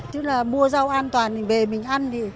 chứ là mua rau an toàn về mình ăn